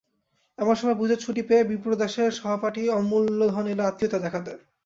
এমন সময়ে পুজোর ছুটি পেয়ে বিপ্রদাসের সহপাঠি অমূল্যধন এল আত্মীয়তা দেখাতে।